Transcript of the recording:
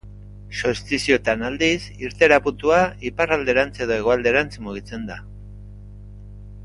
Solstizioetan, aldiz, irteera puntua iparralderantz edo hegoalderantz mugitzen da.